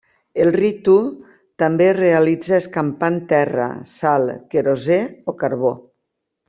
El ritu també es realitza escampant terra, sal, querosè o carbó.